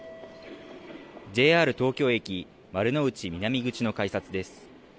ＪＲ東京駅丸の内南口の改札です。